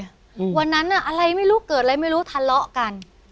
อืมวันนั้นอ่ะอะไรไม่รู้เกิดอะไรไม่รู้ทะเลาะกัน